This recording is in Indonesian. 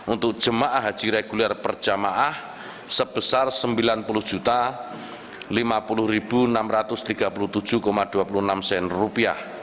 untuk jemaah haji reguler per jemaah sebesar rp sembilan puluh lima puluh enam ratus tiga puluh tujuh dua puluh enam